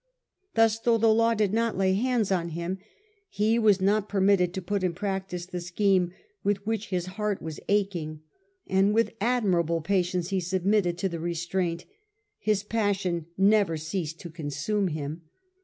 Thus, though the law did not lay hands on him, he was not permitted to put in prac tice the scheme with which his heart was aching, and with admirable patience he submitted to the restraint His passion never ceased to consume him.